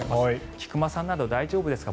菊間さんとか大丈夫ですか？